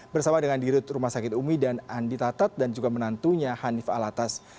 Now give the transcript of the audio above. bersama dengan dirut rumah sakit umi dan andi tatat dan juga menantunya hanif alatas